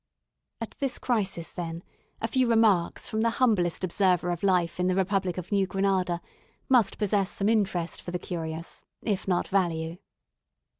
At this crisis, then, a few remarks from the humblest observer of life in the republic of New Granada must possess some interest for the curious, if not value.